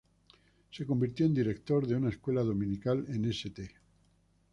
Se convirtió en director de una escuela dominical en St.